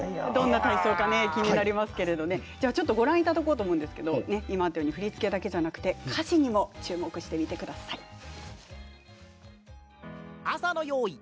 どんな体操か気になりますけどちょっとご覧いただこうと思うんですけど振り付けだけじゃなくて歌詞にも注目してみてください。